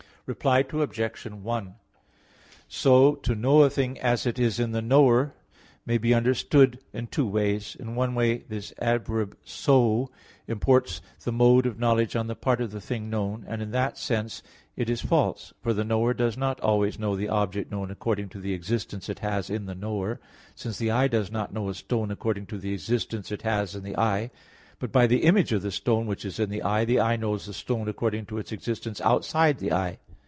Reply Obj. 1: So to know a thing as it is in the knower, may be understood in two ways. In one way this adverb "so" imports the mode of knowledge on the part of the thing known; and in that sense it is false. For the knower does not always know the object known according to the existence it has in the knower; since the eye does not know a stone according to the existence it has in the eye; but by the image of the stone which is in the eye, the eye knows the stone according to its existence outside the eye.